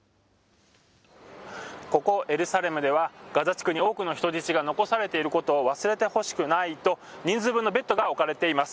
ここ、エルサレムではガザ地区に多くの人質が残されていることを忘れてほしくないと、人数分のベッドが置かれています。